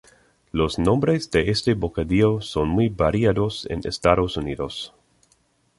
Los nombres de este bocadillo son muy variados en Estados Unidos.